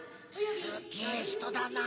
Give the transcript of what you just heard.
すっげぇ人だな。